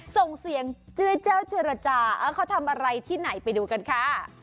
ส่งเสียงเจื้อแจ้วเจรจาเขาทำอะไรที่ไหนไปดูกันค่ะ